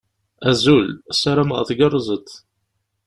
Azul. Sarameɣ tgerrzeḍ.